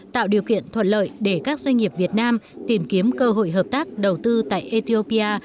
tạo điều kiện thuận lợi để các doanh nghiệp việt nam tìm kiếm cơ hội hợp tác đầu tư tại ethiopia